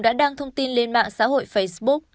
đã đăng thông tin lên mạng xã hội facebook